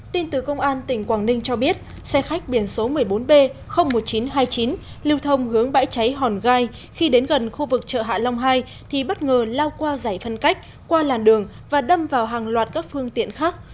tin từ công an tỉnh quảng ninh cho biết xe khách biển số một mươi bốn b một nghìn chín trăm hai mươi chín lưu thông hướng bãi cháy hòn gai khi đến gần khu vực chợ hạ long hai thì bất ngờ lao qua giải phân cách qua làn đường và đâm vào hàng loạt các phương tiện khác